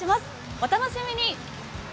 お楽しみに！